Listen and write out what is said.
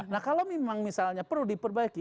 nah kalau memang misalnya perlu diperbaiki